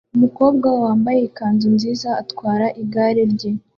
Umukobwa wambaye ikanzu nziza atwara igare rye